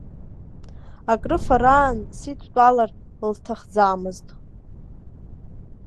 Акрыфараан, сидтәалар лҭахӡамызт.